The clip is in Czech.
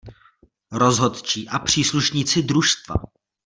Rozhodčí a příslušníci družstva.